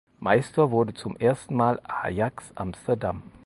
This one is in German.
Meister wurde zum ersten Mal Ajax Amsterdam.